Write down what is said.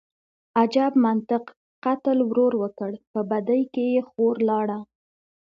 _اجب منطق، قتل ورور وکړ، په بدۍ کې يې خور لاړه.